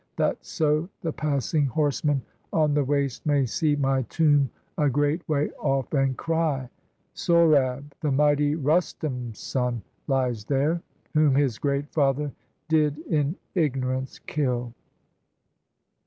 That so the passing horseman on the waste May see my tomb a great way off, and cry: Sohrab, the mighty Rustum^s son, lies there, Whom his great father did in ignorance kill